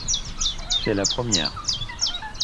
C’est la première.